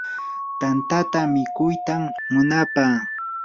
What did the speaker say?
tantata mikuytam munapaa.